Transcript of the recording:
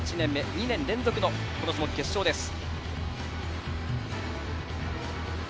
２年連続のこの種目、決勝です。